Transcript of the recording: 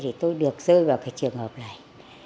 thì tôi được rơi vào cái trường hợp này